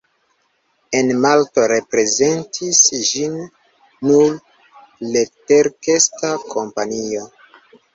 En Malto reprezentis ĝin nur leterkesta kompanio.